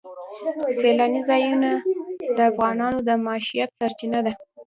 سیلانی ځایونه د افغانانو د معیشت سرچینه ده.